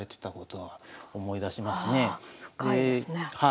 はい。